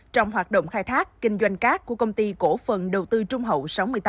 trong hoạt động khai thác kinh doanh cát của công ty cổ phần đầu tư trung hậu sáu mươi tám